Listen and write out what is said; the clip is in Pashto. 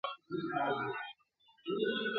جنازې مو پر اوږو د ورځو ګرځي !.